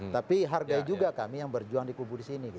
tapi hargai juga kami yang berjuang di kubur sini